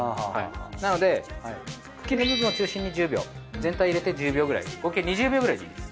なので茎の部分を中心に１０秒全体を入れて１０秒くらい合計２０秒くらいでいいです。